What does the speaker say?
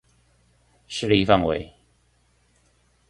勢力範圍